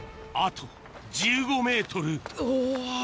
あと１５ｍおぉ